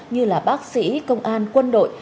như là bác sĩ công an quân đội